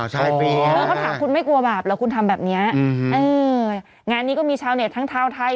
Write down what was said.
ใช่ค่ะค่ะค่ะคุณไม่กลัวบาปแล้วคุณทำแบบนี้งานนี้ก็มีชาวเน็ตทั้งเท้าไทย